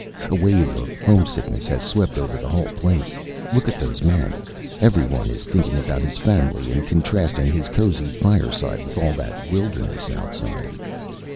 "A wave of homesickness has swept over the whole place. Look at those men. Every one is thinking about his family and contrasting his cozy fireside with all that wilderness outside."